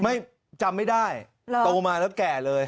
ไม่จำไม่ได้โตมาแล้วแก่เลย